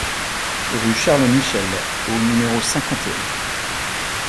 Rue Charles Michels au numéro cinquante et un